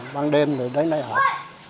ban đêm thì đến đây học